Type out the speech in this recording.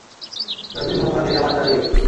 কয়েকদিন মনমরা থেকে আবার চালিয়ে গেছি।